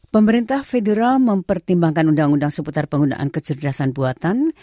pemerintah federal mempertimbangkan undang undang seputar penggunaan kecerdasan buatan